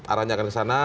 arahnya akan ke sana